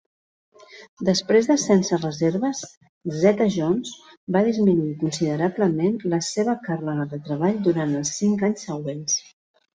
Després de "Sense Reserves", Zeta-Jones va disminuir considerablement la seva càrrega de treball durant els cinc anys següents.